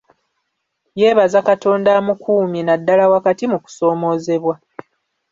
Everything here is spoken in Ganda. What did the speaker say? Yeebaza Katonda amukumye naddala wakati mu kusoomoozebwa